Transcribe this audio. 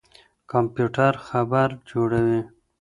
کمپيوټر خبر جوړوي.